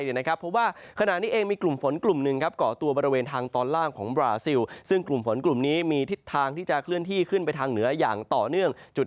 เพราะว่าขณะนี้เองมีกลุ่มฝนกลุ่มหนึ่ง